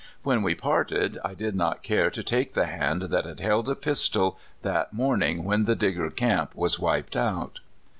When we parted, I did not care to take the hand that had held a pistol that morning when the Digger camp was " wiped out."